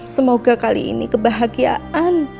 semoga kali ini kebahagiaan